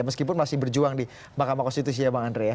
meskipun masih berjuang di mahkamah konstitusi ya bang andre ya